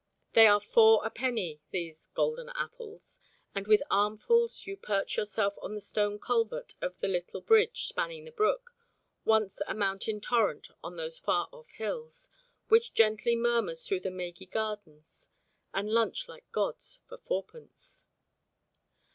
They are four a penny, these "golden apples," and with armfuls you perch yourself on the stone culvert of the little bridge spanning the brook, once a mountain torrent on those far off hills, which gently murmurs through the maguey gardens, and lunch like gods for fourpence.